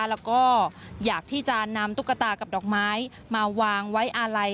แล้วก็อยากที่จะนำตุ๊กตากับดอกไม้มาวางไว้อาลัย